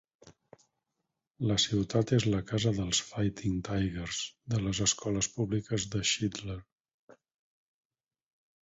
La ciutat és la casa dels Fighting Tigers de les escoles públiques de Shidler.